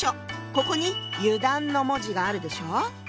ここに「油断」の文字があるでしょう？